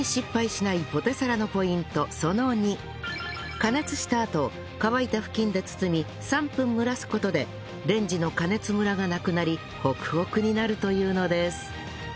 加熱したあと乾いた布巾で包み３分蒸らす事でレンジの加熱ムラがなくなりホクホクになるというのです